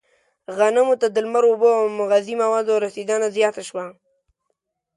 غنمو ته د لمر، اوبو او مغذي موادو رسېدنه زیاته شوه.